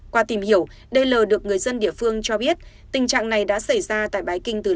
qua tìm hiểu d l được người dân địa phương cho biết tình trạng này đã xảy ra tại bái kinh từ lâu